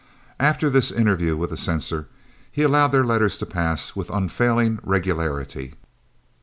After this interview with the censor, he allowed their letters to pass with unfailing regularity.